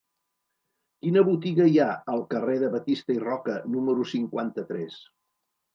Quina botiga hi ha al carrer de Batista i Roca número cinquanta-tres?